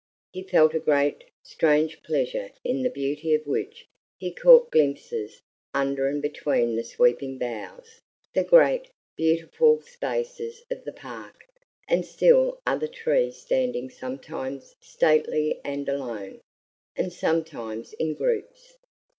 He felt a great, strange pleasure in the beauty of which he caught glimpses under and between the sweeping boughs the great, beautiful spaces of the park, with still other trees standing sometimes stately and alone, and sometimes in groups.